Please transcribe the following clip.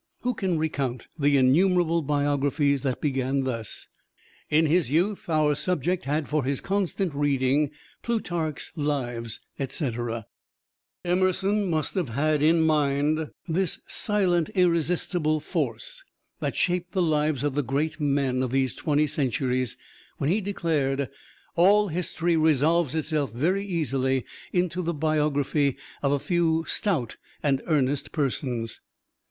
Who can recount the innumerable biographies that begin thus: "In his youth, our subject had for his constant reading, Plutarch's Lives, etc."? Emerson must have had in mind this silent, irresistible force that shaped the lives of the great men of these twenty centuries when he declared, "All history resolves itself very easily into the biography of a few stout and earnest persons."